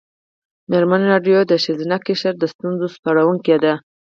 مېرمن راډیو د ښځینه قشر د ستونزو سپړونکې ده.